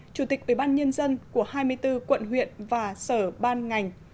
chủ tịch ủy ban nhân dân của hai mươi bốn quận huyện và sở ban ngành